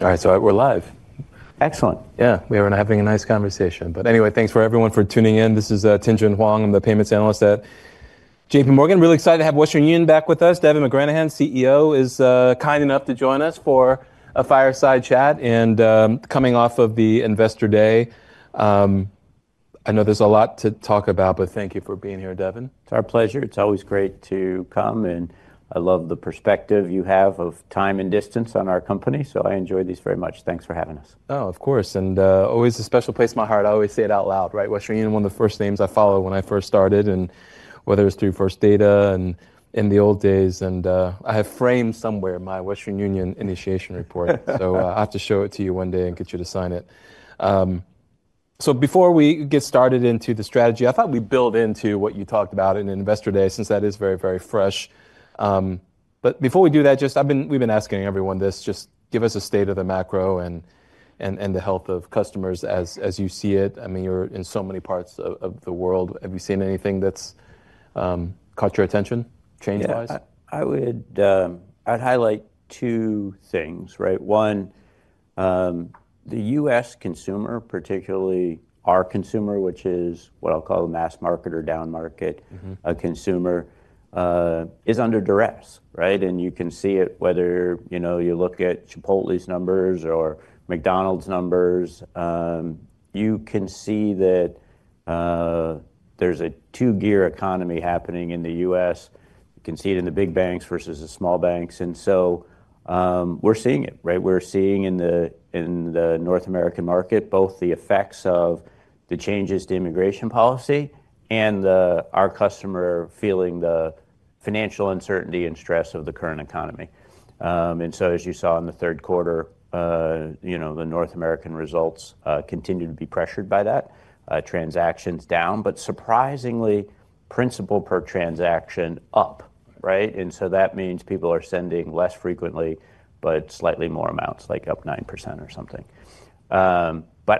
All right, so we're live. Excellent. Yeah, we're having a nice conversation. Anyway, thanks for everyone for tuning in. This is Tung-Jung Hwang. I'm the Payments analyst at JPMorgan. Really excited to have Western Union back with us. Devin McGranahan, CEO, is kind enough to join us for a fireside chat. Coming off of the Investor Day, I know there's a lot to talk about, but thank you for being here, Devin. It's our pleasure. It's always great to come. I love the perspective you have of time and distance on our company. I enjoy these very much. Thanks for having us. Oh, of course. Always a special place in my heart. I always say it out loud, right? Western Union, one of the first names I followed when I first started, and whether it was through First Data in the old days. I have framed somewhere my Western Union initiation report. I have to show it to you one day and get you to sign it. Before we get started into the strategy, I thought we'd build into what you talked about in Investor Day, since that is very, very fresh. Before we do that, just, we've been asking everyone this. Just give us a state of the macro and the health of customers as you see it. I mean, you're in so many parts of the world. Have you seen anything that's caught your attention change-wise? I would highlight two things, right? One, the U.S. consumer, particularly our consumer, which is what I'll call the mass market or down market, a consumer, is under duress, right? You can see it whether you look at Chipotle's numbers or McDonald's numbers. You can see that there's a two-gear economy happening in the U.S. You can see it in the big banks versus the small banks. We're seeing it, right? We're seeing in the North American market both the effects of the changes to immigration policy and our customer feeling the financial uncertainty and stress of the current economy. As you saw in the third quarter, the North American results continue to be pressured by that. Transactions down, but surprisingly, principal per transaction up, right? That means people are sending less frequently, but slightly more amounts, like up 9% or something.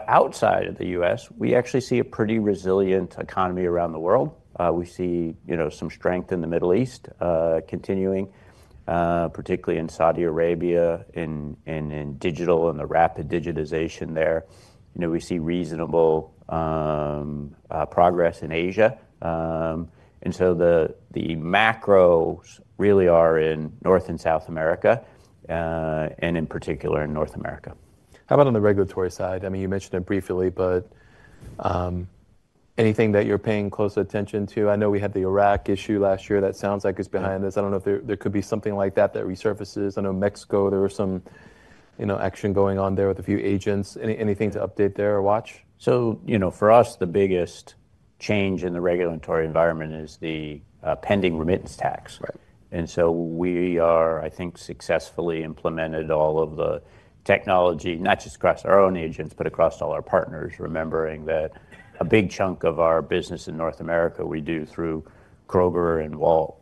Outside of the U.S., we actually see a pretty resilient economy around the world. We see some strength in the Middle East continuing, particularly in Saudi Arabia and in digital and the rapid digitization there. We see reasonable progress in Asia. The macros really are in North and South America, and in particular in North America. How about on the regulatory side? I mean, you mentioned it briefly, but anything that you're paying close attention to? I know we had the Iraq issue last year. That sounds like it's behind us. I don't know if there could be something like that that resurfaces. I know Mexico, there was some action going on there with a few agents. Anything to update there or watch? For us, the biggest change in the regulatory environment is the pending remittance tax. We have, I think, successfully implemented all of the technology, not just across our own agents, but across all our partners, remembering that a big chunk of our business in North America we do through Kroger,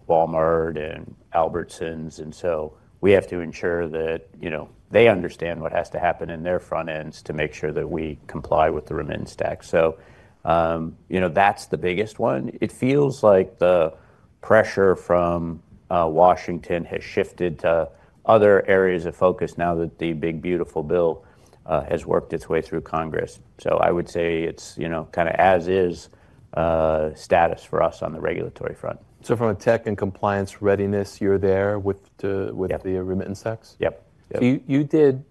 Walmart, and Albertsons. We have to ensure that they understand what has to happen in their front ends to make sure that we comply with the remittance tax. That's the biggest one. It feels like the pressure from Washington has shifted to other areas of focus now that the big, beautiful bill has worked its way through Congress. I would say it's kind of as-is status for us on the regulatory front. From a tech and compliance readiness, you're there with the remittance tax? Yep. You did,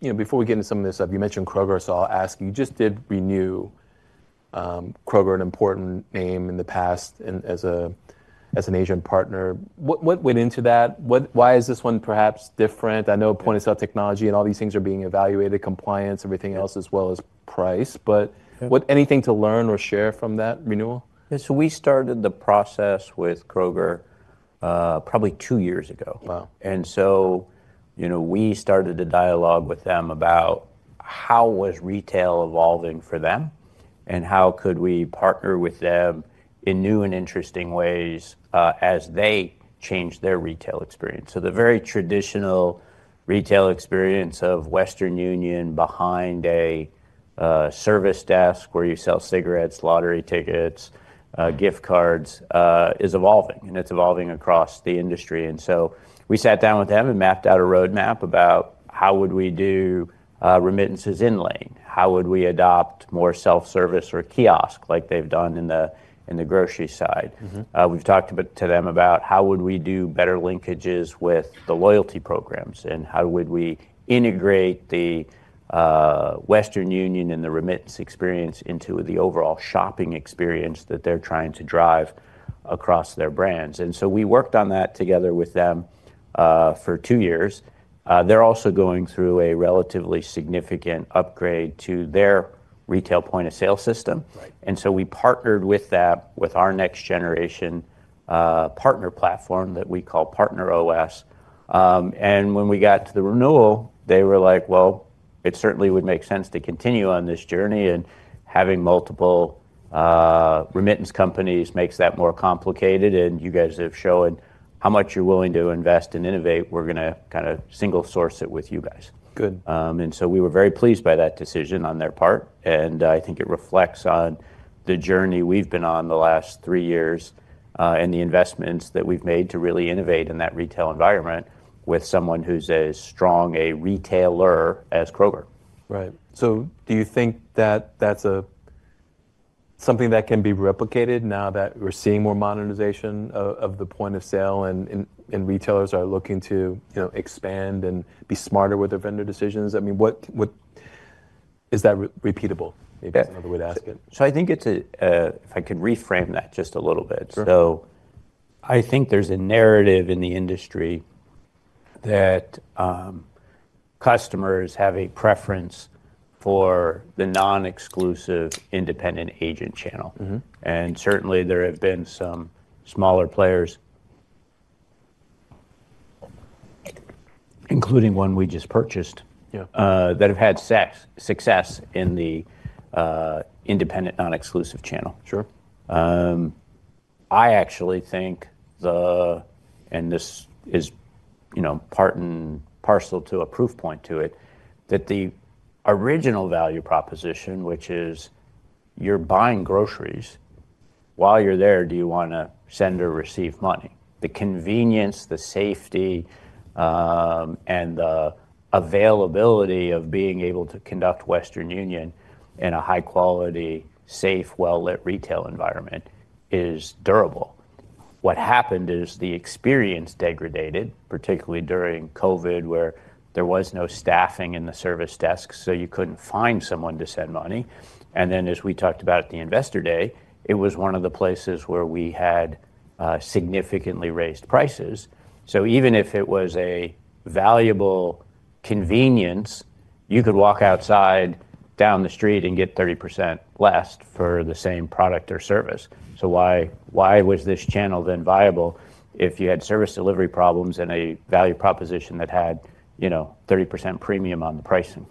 before we get into some of this stuff, you mentioned Kroger, so I'll ask. You just did renew Kroger, an important name in the past as an Asian partner. What went into that? Why is this one perhaps different? I know point of sale technology and all these things are being evaluated, compliance, everything else, as well as price. Anything to learn or share from that renewal? We started the process with Kroger probably two years ago. Wow. We started a dialogue with them about how retail was evolving for them and how we could partner with them in new and interesting ways as they changed their retail experience. The very traditional retail experience of Western Union behind a service desk where you sell cigarettes, lottery tickets, gift cards is evolving. It is evolving across the industry. We sat down with them and mapped out a roadmap about how we would do remittances in-lane, how we would adopt more self-service or kiosk like they have done in the grocery side. We talked to them about how we would do better linkages with the loyalty programs and how we would integrate the Western Union and the remittance experience into the overall shopping experience that they are trying to drive across their brands. We worked on that together with them for two years. They're also going through a relatively significant upgrade to their retail point of sale system. We partnered with that with our next generation partner platform that we call Partner OS. When we got to the renewal, they were like, it certainly would make sense to continue on this journey. Having multiple remittance companies makes that more complicated. You guys have shown how much you're willing to invest and innovate. We're going to kind of single source it with you guys. Good. We were very pleased by that decision on their part. I think it reflects on the journey we've been on the last three years and the investments that we've made to really innovate in that retail environment with someone who's as strong a retailer as Kroger. Right. Do you think that that's something that can be replicated now that we're seeing more modernization of the point of sale and retailers are looking to expand and be smarter with their vendor decisions? I mean, is that repeatable? Maybe that's another way to ask it. I think it's a, if I can reframe that just a little bit. I think there's a narrative in the industry that customers have a preference for the non-exclusive independent agent channel. Certainly, there have been some smaller players, including one we just purchased, that have had success in the independent non-exclusive channel. Sure. I actually think, and this is partial to a proof point to it, that the original value proposition, which is you're buying groceries, while you're there, do you want to send or receive money? The convenience, the safety, and the availability of being able to conduct Western Union in a high-quality, safe, well-lit retail environment is durable. What happened is the experience degraded, particularly during COVID, where there was no staffing in the service desk, so you couldn't find someone to send money. As we talked about at the Investor Day, it was one of the places where we had significantly raised prices. Even if it was a valuable convenience, you could walk outside down the street and get 30% less for the same product or service. Why was this channel then viable if you had service delivery problems and a value proposition that had a 30% premium on the pricing?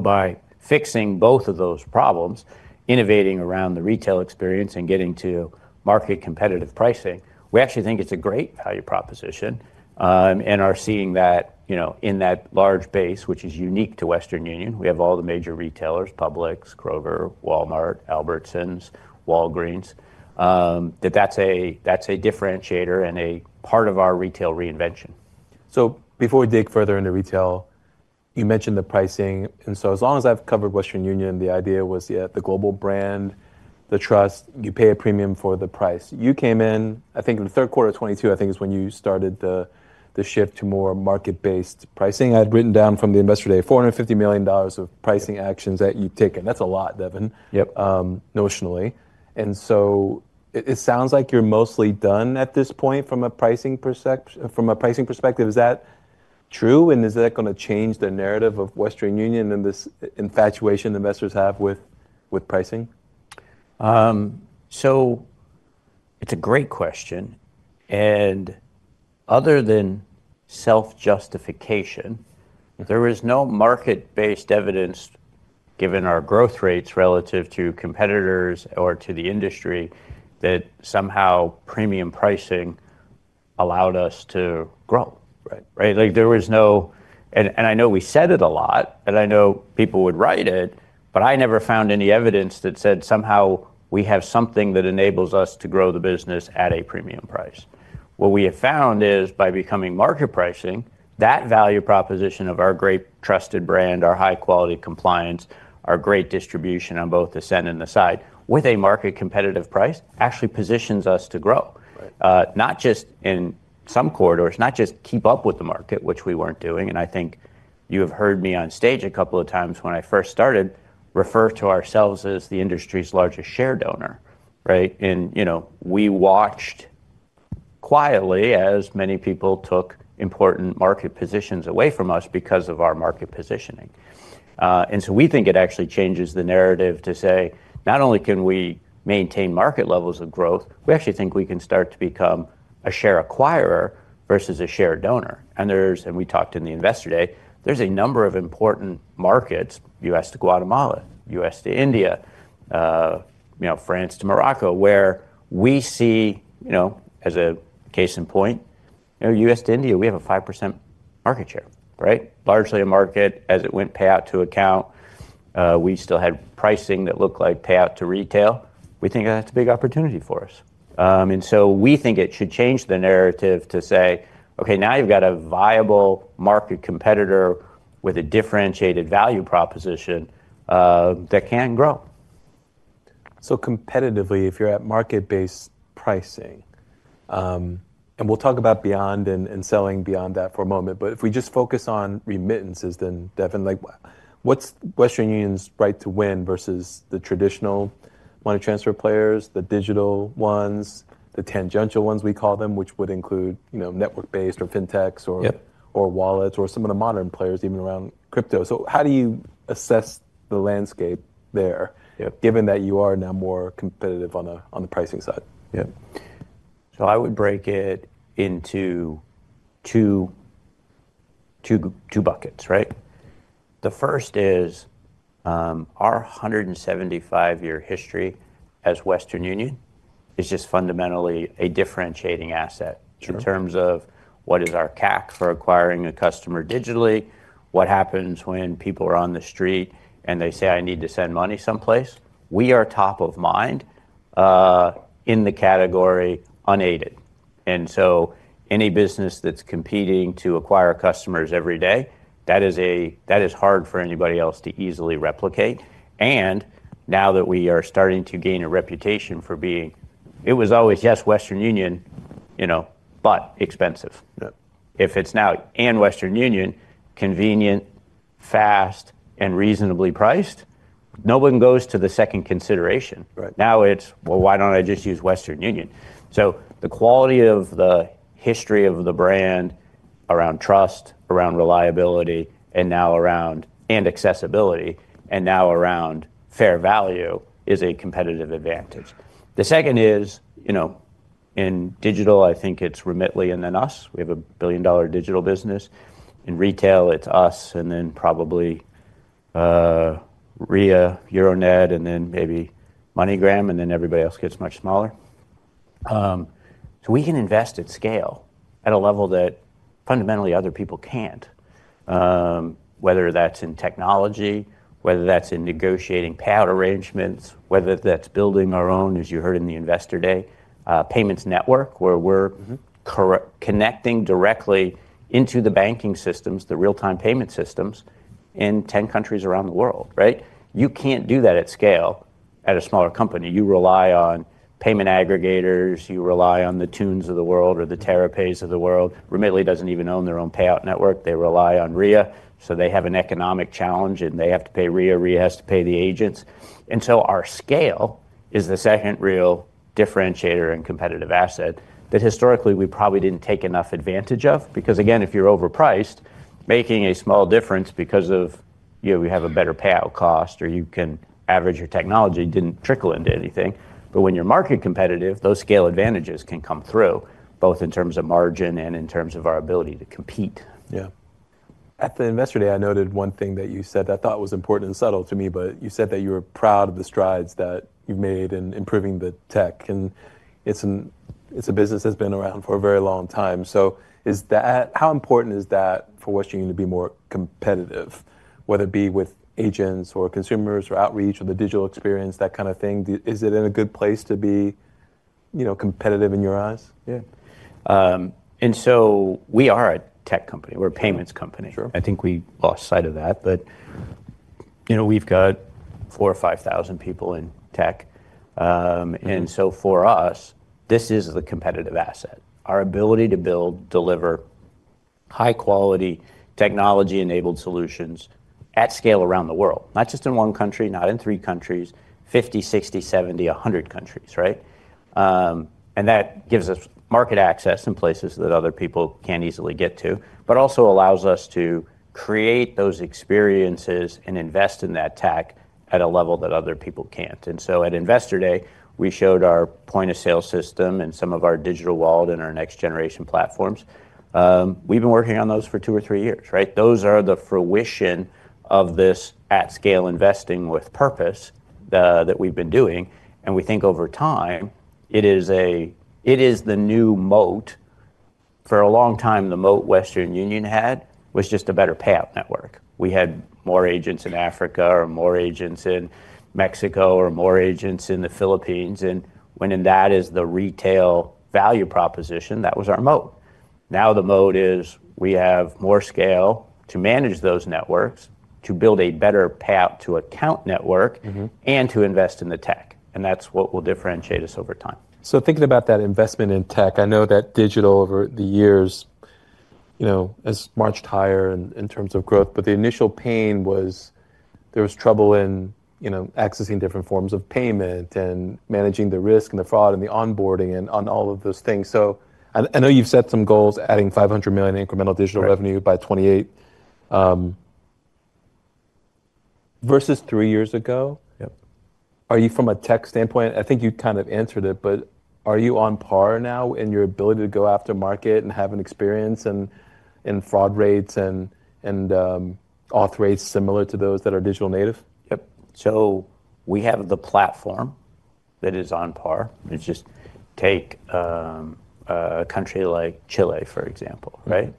By fixing both of those problems, innovating around the retail experience and getting to market competitive pricing, we actually think it's a great value proposition and are seeing that in that large base, which is unique to Western Union. We have all the major retailers: Publix, Kroger, Walmart, Albertsons, Walgreens. That is a differentiator and a part of our retail reinvention. Before we dig further into retail, you mentioned the pricing. As long as I've covered Western Union, the idea was the global brand, the trust, you pay a premium for the price. You came in, I think in the third quarter of 2022, I think is when you started the shift to more market-based pricing. I had written down from the Investor Day $450 million of pricing actions that you've taken. That's a lot, Devin, notionally. It sounds like you're mostly done at this point from a pricing perspective. Is that true? Is that going to change the narrative of Western Union and this infatuation investors have with pricing? It is a great question. Other than self-justification, there is no market-based evidence, given our growth rates relative to competitors or to the industry, that somehow premium pricing allowed us to grow. Right? There was no, and I know we said it a lot, and I know people would write it, but I never found any evidence that said somehow we have something that enables us to grow the business at a premium price. What we have found is by becoming market pricing, that value proposition of our great trusted brand, our high-quality compliance, our great distribution on both the send and the receive side, with a market competitive price, actually positions us to grow. Not just in some corridors, not just keep up with the market, which we were not doing. I think you have heard me on stage a couple of times when I first started refer to ourselves as the industry's largest share donor, right? We watched quietly as many people took important market positions away from us because of our market positioning. We think it actually changes the narrative to say, not only can we maintain market levels of growth, we actually think we can start to become a share acquirer versus a share donor. We talked in the Investor Day, there is a number of important markets, U.S. to Guatemala, U.S. to India, France to Morocco, where we see, as a case in point, U.S. to India, we have a 5% market share, right? Largely a market as it went payout to account. We still had pricing that looked like payout to retail. We think that is a big opportunity for us. We think it should change the narrative to say, okay, now you've got a viable market competitor with a differentiated value proposition that can grow. Competitively, if you're at market-based pricing, and we'll talk about Beyond and selling Beyond that for a moment, but if we just focus on remittances, then, Devin, what's Western Union's right to win versus the traditional money transfer players, the digital ones, the tangential ones we call them, which would include network-based or fintechs or wallets or some of the modern players even around crypto? How do you assess the landscape there, given that you are now more competitive on the pricing side? Yeah. I would break it into two buckets. Right? The first is our 175-year history as Western Union is just fundamentally a differentiating asset in terms of what is our CAC for acquiring a customer digitally, what happens when people are on the street and they say, I need to send money someplace. We are top of mind in the category unaided. Any business that's competing to acquire customers every day, that is hard for anybody else to easily replicate. Now that we are starting to gain a reputation for being, it was always, yes, Western Union, but expensive. If it's now and Western Union, convenient, fast, and reasonably priced, no one goes to the second consideration. Now it's, well, why don't I just use Western Union? The quality of the history of the brand around trust, around reliability, and now around accessibility, and now around fair value is a competitive advantage. The second is in digital, I think it's Remitly and then us. We have a billion-dollar digital business. In retail, it's us and then probably RIA, Euronet, and then maybe MoneyGram, and then everybody else gets much smaller. We can invest at scale at a level that fundamentally other people can't, whether that's in technology, whether that's in negotiating payout arrangements, whether that's building our own, as you heard in the Investor Day, payments network, where we're connecting directly into the banking systems, the real-time payment systems in 10 countries around the world. Right? You can't do that at scale at a smaller company. You rely on payment aggregators. You rely on the Tunes of the world or the Tarapes of the world. Remitly doesn't even own their own payout network. They rely on RIA. They have an economic challenge and they have to pay RIA. RIA has to pay the agents. Our scale is the second real differentiator and competitive asset that historically we probably didn't take enough advantage of. Because again, if you're overpriced, making a small difference because of, you know, we have a better payout cost or you can average your technology didn't trickle into anything. When you're market competitive, those scale advantages can come through both in terms of margin and in terms of our ability to compete. Yeah. At the Investor Day, I noted one thing that you said that I thought was important and subtle to me, but you said that you were proud of the strides that you've made in improving the tech. And it's a business that's been around for a very long time. How important is that for Western Union to be more competitive, whether it be with agents or consumers or outreach or the digital experience, that kind of thing? Is it in a good place to be competitive in your eyes? Yeah. We are a tech company. We are a payments company. I think we lost sight of that, but we have 4,000 or 5,000 people in tech. For us, this is the competitive asset. Our ability to build, deliver high-quality technology-enabled solutions at scale around the world, not just in one country, not in three countries, 50, 60, 70, 100 countries. Right? That gives us market access in places that other people cannot easily get to, but also allows us to create those experiences and invest in that tech at a level that other people cannot. At Investor Day, we showed our point of sale system and some of our digital wallet and our next generation platforms. We have been working on those for two or three years. Right? Those are the fruition of this at-scale investing with purpose that we have been doing. We think over time, it is the new moat. For a long time, the moat Western Union had was just a better payout network. We had more agents in Africa or more agents in Mexico or more agents in the Philippines. When that is the retail value proposition, that was our moat. Now the moat is we have more scale to manage those networks, to build a better payout to account network, and to invest in the tech. That is what will differentiate us over time. Thinking about that investment in tech, I know that digital over the years has marched higher in terms of growth, but the initial pain was there was trouble in accessing different forms of payment and managing the risk and the fraud and the onboarding and all of those things. I know you've set some goals, adding $500 million incremental digital revenue by 2028 versus three years ago. Are you, from a tech standpoint—I think you kind of answered it—but are you on par now in your ability to go after market and have an experience in fraud rates and auth rates similar to those that are digital native? Yep. We have the platform that is on par. Just take a country like Chile, for example. Right?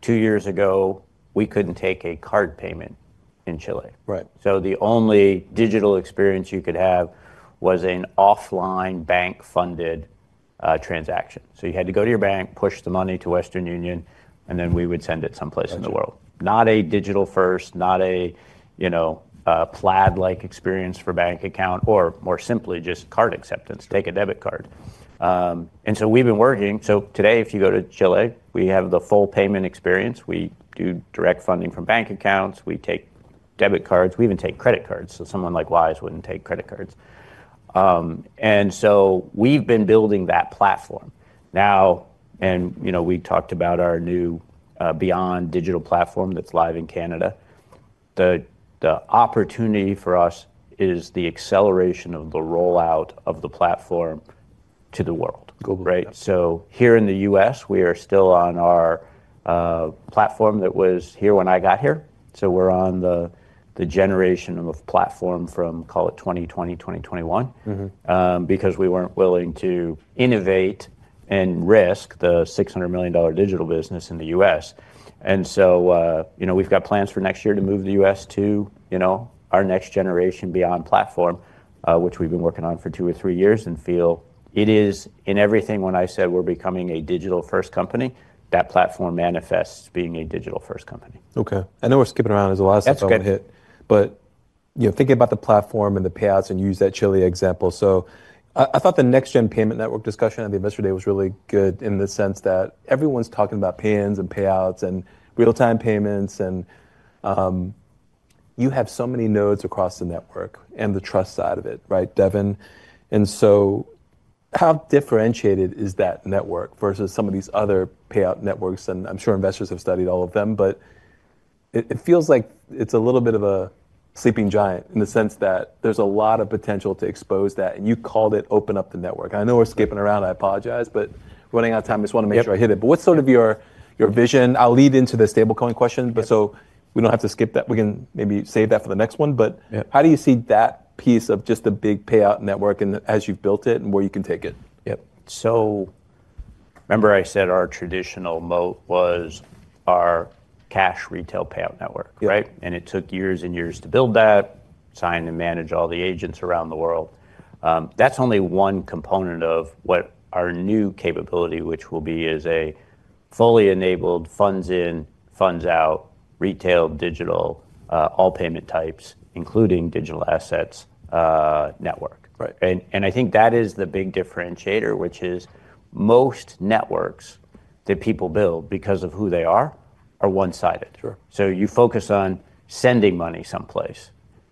Two years ago, we could not take a card payment in Chile. The only digital experience you could have was an offline bank-funded transaction. You had to go to your bank, push the money to Western Union, and then we would send it someplace in the world. Not a digital first, not a Plaid-like experience for bank account or, more simply, just card acceptance. Take a debit card. We have been working. Today, if you go to Chile, we have the full payment experience. We do direct funding from bank accounts. We take debit cards. We even take credit cards. Someone like Wise would not take credit cards. We have been building that platform. Now, and we talked about our new Beyond digital platform that's live in Canada. The opportunity for us is the acceleration of the rollout of the platform to the world. Right? Here in the U.S., we are still on our platform that was here when I got here. We're on the generation of a platform from, call it 2020, 2021, because we weren't willing to innovate and risk the $600 million digital business in the U.S. We have plans for next year to move the U.S. to our next-generation Beyond platform, which we've been working on for two or three years and feel it is in everything when I said we're becoming a digital-first company, that platform manifests being a digital-first company. Okay. I know we're skipping around as the last one hit, but thinking about the platform and the payouts and use that Chile example. I thought the next-gen payment network discussion at the Investor Day was really good in the sense that everyone's talking about payments and payouts and real-time payments. You have so many nodes across the network and the trust side of it, right, Devin? How differentiated is that network versus some of these other payout networks? I'm sure investors have studied all of them, but it feels like it's a little bit of a sleeping giant in the sense that there's a lot of potential to expose that. You called it open up the network. I know we're skipping around. I apologize, but we're running out of time. I just want to make sure I hit it. What is sort of your vision? I will lead into the stablecoin question, but we do not have to skip that. We can maybe save that for the next one. How do you see that piece of just the big payout network and as you have built it and where you can take it? Yep. Remember I said our traditional moat was our cash retail payout network, right? It took years and years to build that, sign and manage all the agents around the world. That is only one component of what our new capability, which will be a fully enabled funds in, funds out, retail, digital, all payment types, including digital assets network. I think that is the big differentiator, which is most networks that people build because of who they are are one-sided. You focus on sending money someplace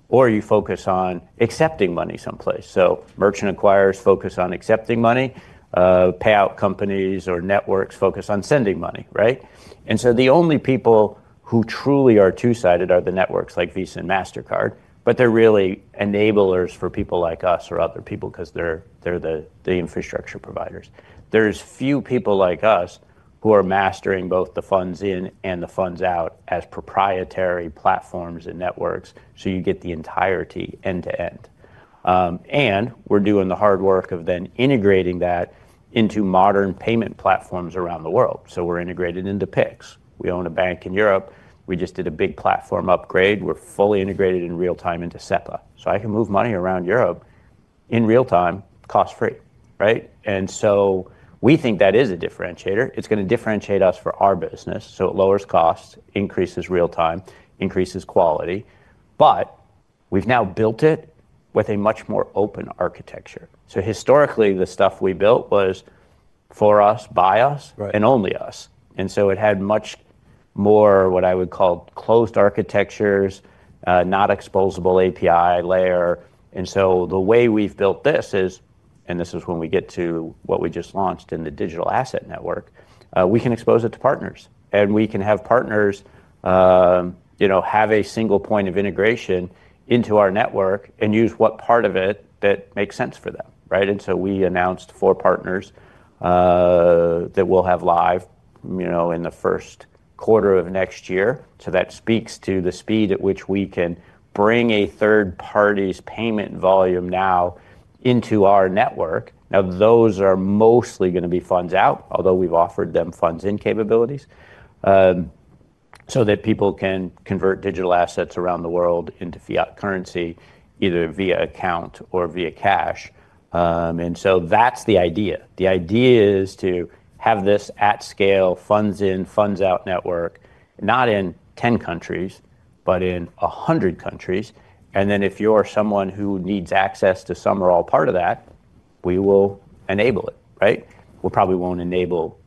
or you focus on accepting money someplace. Merchant acquirers focus on accepting money. Payout companies or networks focus on sending money, right? The only people who truly are two-sided are the networks like Visa and MasterCard, but they are really enablers for people like us or other people because they are the infrastructure providers. They are few people like us who are mastering both the funds in and the funds out as proprietary platforms and networks. You get the entirety end to end. We are doing the hard work of then integrating that into modern payment platforms around the world. We are integrated into PIX. We own a bank in Europe. We just did a big platform upgrade. We are fully integrated in real-time into SEPA. I can move money around Europe in real-time cost-free, right? We think that is a differentiator. It is going to differentiate us for our business. It lowers costs, increases real-time, increases quality. We have now built it with a much more open architecture. Historically, the stuff we built was for us, by us, and only us. It had much more what I would call closed architectures, not exposable API layer. The way we've built this is, and this is when we get to what we just launched in the Digital Asset Network, we can expose it to partners. We can have partners have a single point of integration into our network and use what part of it that makes sense for them. Right? We announced four partners that we'll have live in the first quarter of next year. That speaks to the speed at which we can bring a third party's payment volume now into our network. Those are mostly going to be funds out, although we've offered them funds in capabilities so that people can convert digital assets around the world into fiat currency either via account or via cash. That's the idea. The idea is to have this at-scale funds in, funds out network, not in 10 countries, but in 100 countries. If you're someone who needs access to some or all part of that, we will enable it. Right? We probably won't enable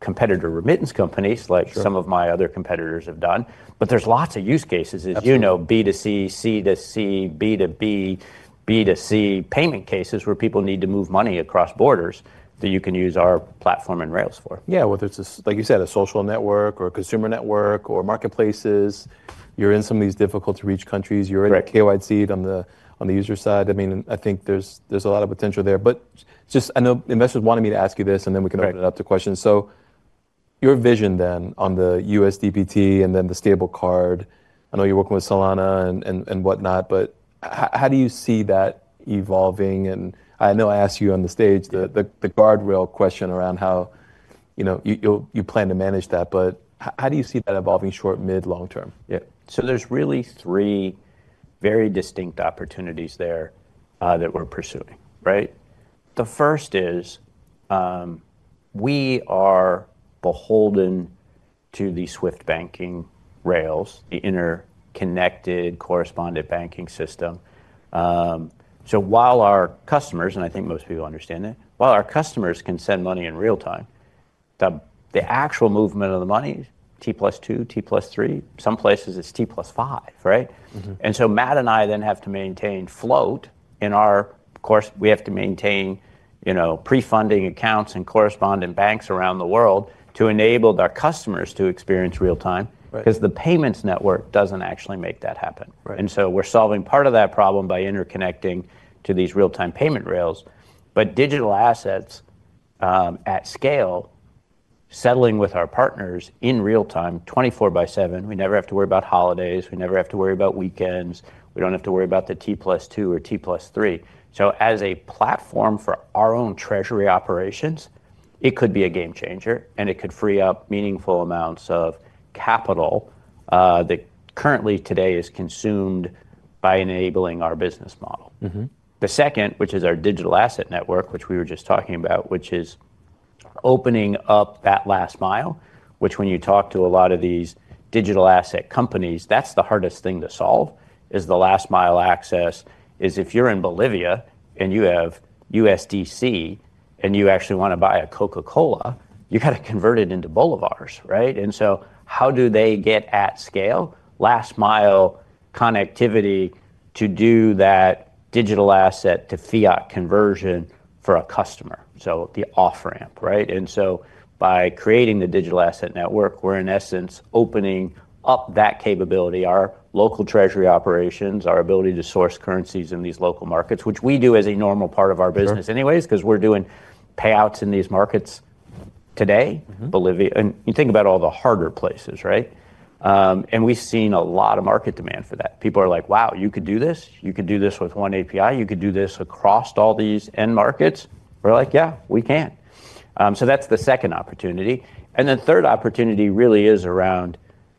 competitor remittance companies like some of my other competitors have done. There are lots of use cases, as you know, B2C, C2C, B2B, B2C payment cases where people need to move money across borders that you can use our platform and rails for. Yeah. Whether it's, like you said, a social network or a consumer network or marketplaces, you're in some of these difficult-to-reach countries. You're in KYC on the user side. I mean, I think there's a lot of potential there. I know investors wanted me to ask you this and then we can open it up to questions. Your vision then on the USDPT and then the Stable Card, I know you're working with Solana and whatnot, how do you see that evolving? I know I asked you on the stage the guardrail question around how you plan to manage that, how do you see that evolving short, mid, long term? Yeah. There are really three very distinct opportunities there that we're pursuing. Right? The first is we are beholden to the SWIFT banking rails, the interconnected correspondent banking system. While our customers, and I think most people understand that, while our customers can send money in real time, the actual movement of the money is T + 2, T + 3. Some places it's T + 5. Right? Matt and I then have to maintain float in our, of course, we have to maintain pre-funding accounts and correspondent banks around the world to enable our customers to experience real time because the payments network does not actually make that happen. We are solving part of that problem by interconnecting to these real-time payment rails. Digital assets at scale, settling with our partners in real time 24 by 7, we never have to worry about holidays. We never have to worry about weekends. We do not have to worry about the T + 2 or T + 3. As a platform for our own treasury operations, it could be a game changer, and it could free up meaningful amounts of capital that currently today is consumed by enabling our business model. The second, which is our digital asset network, which we were just talking about, which is opening up that last mile, which when you talk to a lot of these digital asset companies, that is the hardest thing to solve is the last mile access is if you are in Bolivia and you have USDC and you actually want to buy a Coca-Cola, you have to convert it into Boliviano. Right? How do they get at scale last mile connectivity to do that digital asset to fiat conversion for a customer? The off-ramp. Right? By creating the Digital Asset Network, we're in essence opening up that capability, our local treasury operations, our ability to source currencies in these local markets, which we do as a normal part of our business anyway because we're doing payouts in these markets today, Bolivia. You think about all the harder places, right? We've seen a lot of market demand for that. People are like, "Wow, you could do this. You could do this with one API. You could do this across all these end markets." We're like, "Yeah, we can." That is the second opportunity. The third opportunity really is around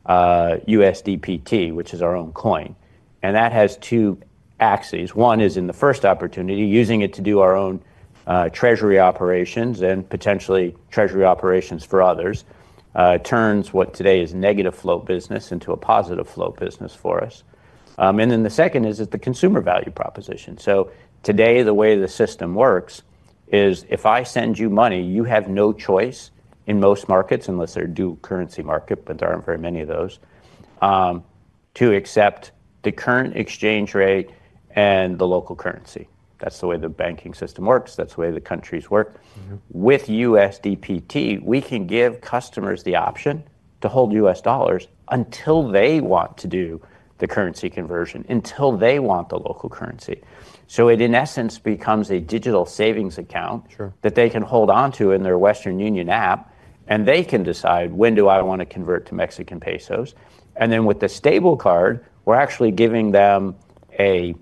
USDPT, which is our own coin. That has two axes. One is in the first opportunity, using it to do our own treasury operations and potentially treasury operations for others, turns what today is negative float business into a positive float business for us. The second is the consumer value proposition. Today, the way the system works is if I send you money, you have no choice in most markets unless they're a dual currency market, but there aren't very many of those, to accept the current exchange rate and the local currency. That's the way the banking system works. That's the way the countries work. With USDPT, we can give customers the option to hold U.S. dollars until they want to do the currency conversion, until they want the local currency. It in essence becomes a digital savings account that they can hold onto in their Western Union app, and they can decide when do I want to convert to Mexican pesos. With the Stable Card, we're actually giving them a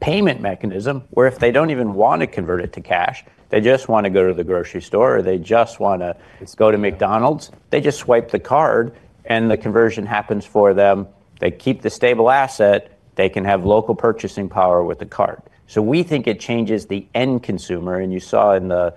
payment mechanism where if they do not even want to convert it to cash, they just want to go to the grocery store or they just want to go to McDonald's, they just swipe the card and the conversion happens for them. They keep the stable asset. They can have local purchasing power with the card. We think it changes the end consumer. You saw in the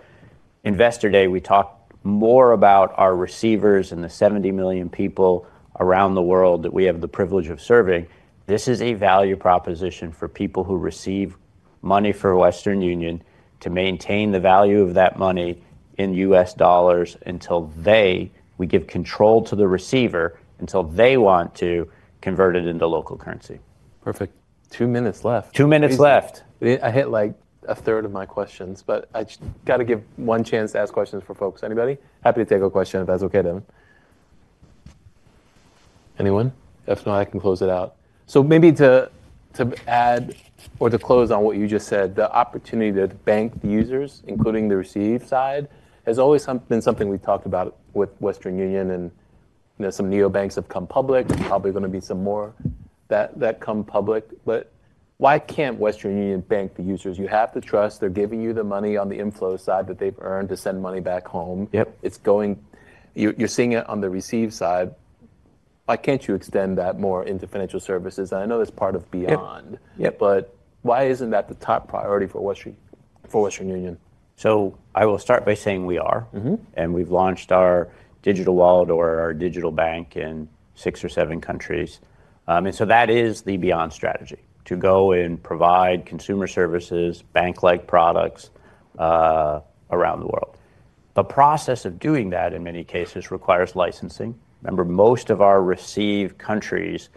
Investor Day, we talked more about our receivers and the 70 million people around the world that we have the privilege of serving. This is a value proposition for people who receive money from Western Union to maintain the value of that money in U.S. dollars until we give control to the receiver until they want to convert it into local currency. Perfect. Two minutes left. Two minutes left. I hit like a third of my questions, but I got to give one chance to ask questions for folks. Anybody? Happy to take a question if that's okay, Devin. Anyone? If not, I can close it out. Maybe to add or to close on what you just said, the opportunity to bank the users, including the receive side, has always been something we've talked about with Western Union. Some neobanks have come public. There's probably going to be some more that come public. Why can't Western Union bank the users? You have to trust they're giving you the money on the inflow side that they've earned to send money back home. You're seeing it on the receive side. Why can't you extend that more into financial services? I know that's part of Beyond, but why isn't that the top priority for Western Union? I will start by saying we are. We've launched our digital wallet or our digital bank in six or seven countries. That is the Beyond strategy to go and provide consumer services, bank-like products around the world. The process of doing that in many cases requires licensing. Remember, most of our receive countries,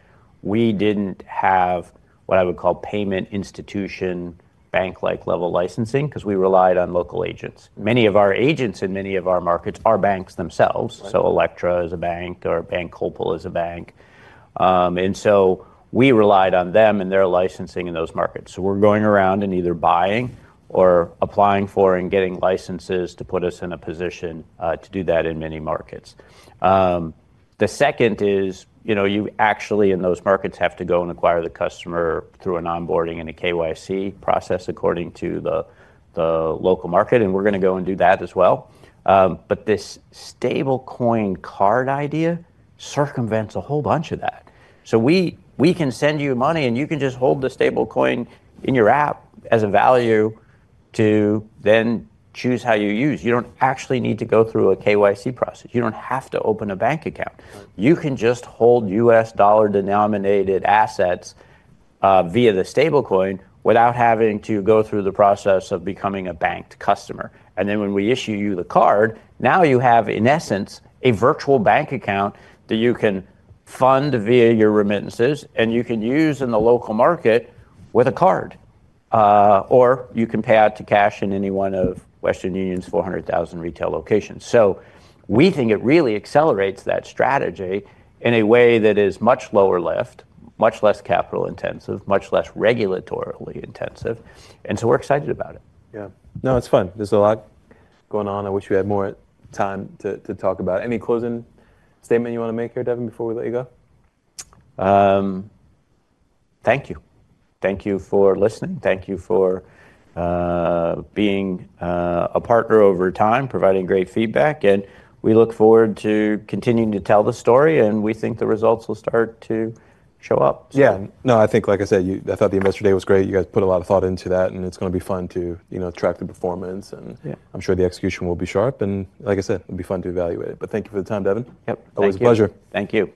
we did not have what I would call payment institution bank-like level licensing because we relied on local agents. Many of our agents in many of our markets are banks themselves. Electra is a bank or BanCoppel is a bank. We relied on them and their licensing in those markets. We are going around and either buying or applying for and getting licenses to put us in a position to do that in many markets. The second is you actually in those markets have to go and acquire the customer through an onboarding and a KYC process according to the local market. We're going to go and do that as well. This stablecoin card idea circumvents a whole bunch of that. We can send you money and you can just hold the stablecoin in your app as a value to then choose how you use. You do not actually need to go through a KYC process. You do not have to open a bank account. You can just hold US dollar denominated assets via the stablecoin without having to go through the process of becoming a banked customer. When we issue you the card, now you have in essence a virtual bank account that you can fund via your remittances and you can use in the local market with a card. You can pay out to cash in any one of Western Union's 400,000 retail locations. We think it really accelerates that strategy in a way that is much lower lift, much less capital intensive, much less regulatorily intensive. We are excited about it. Yeah. No, it's fun. There's a lot going on. I wish we had more time to talk about it. Any closing statement you want to make here, Devin, before we let you go? Thank you. Thank you for listening. Thank you for being a partner over time, providing great feedback. We look forward to continuing to tell the story. We think the results will start to show up. Yeah. No, I think like I said, I thought the Investor Day was great. You guys put a lot of thought into that. It's going to be fun to track the performance. I'm sure the execution will be sharp. Like I said, it'll be fun to evaluate it. Thank you for the time, Devin. Always a pleasure. Thank you.